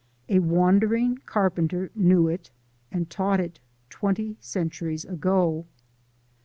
A Wandering Carpenter knew it, and taught it, twenty centuries ago.